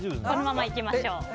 このままいきましょう。